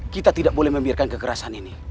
kita tidak boleh membiarkan kekerasan ini